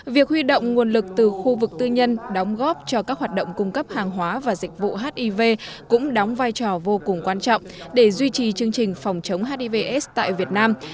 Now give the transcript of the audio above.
việc huy động nguồn lực từ khu vực tư nhân đóng góp cho các hoạt động cung cấp hàng hóa và dịch vụ hiv cũng đóng vai trò vô cùng quan trọng để duy trì chương trình phòng chống hiv aids tại việt nam